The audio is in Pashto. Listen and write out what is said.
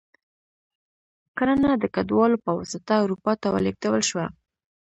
کرنه د کډوالو په واسطه اروپا ته ولېږدول شوه.